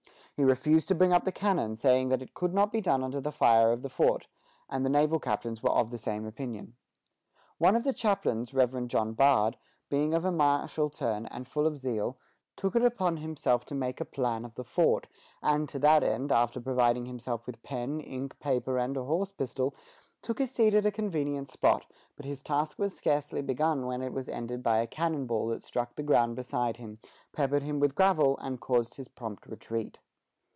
" He refused to bring up the cannon, saying that it could not be done under the fire of the fort; and the naval captains were of the same opinion. One of the chaplains, Rev. John Barnard, being of a martial turn and full of zeal, took it upon himself to make a plan of the fort; and to that end, after providing himself with pen, ink, paper, and a horse pistol, took his seat at a convenient spot; but his task was scarcely begun when it was ended by a cannon ball that struck the ground beside him, peppered him with gravel, and caused his prompt retreat.